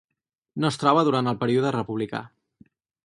No es troba durant el període republicà.